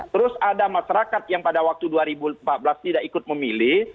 terus ada masyarakat yang pada waktu dua ribu empat belas tidak ikut memilih